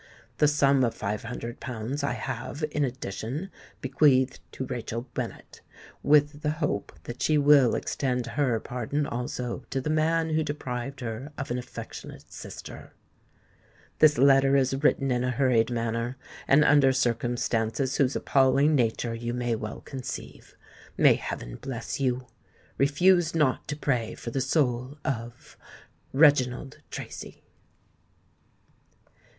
The sum of five hundred pounds I have, in addition, bequeathed to Rachel Bennet, with the hope that she will extend her pardon also to the man who deprived her of an affectionate sister. This letter is written in a hurried manner, and under circumstances whose appalling nature you may well conceive. May heaven bless you! Refuse not to pray for the soul of "REGINALD TRACY."